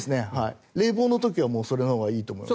冷房の時はそれがいいと思います。